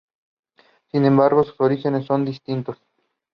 The club managed to finish first in the league cup standings.